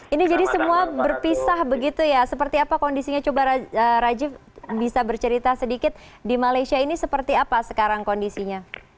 ini jadi semua berpisah begitu ya seperti apa kondisinya coba rajiv bisa bercerita sedikit di malaysia ini seperti apa sekarang kondisinya